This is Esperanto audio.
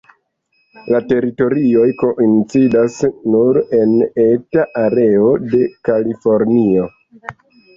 La teritorioj koincidas nur en eta areo de Kalifornio.